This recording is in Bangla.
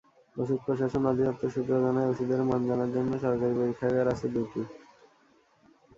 ওষুধ প্রশাসন অধিদপ্তর সূত্র জানায়, ওষুধের মান জানার জন্য সরকারি পরীক্ষাগার আছে দুটি।